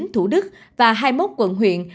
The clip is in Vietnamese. thủ đức và hai mươi một quận huyện